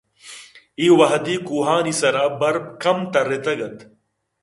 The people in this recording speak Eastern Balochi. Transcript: اے وہدی کوہانی سرا برف کم ترّیتگ اَت